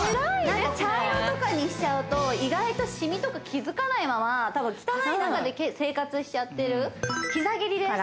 何か茶色とかにしちゃうと意外とシミとか気づかないまま多分汚い中で生活しちゃってるから膝蹴りです